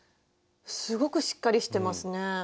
すごくしっかりしてますね。ですよね。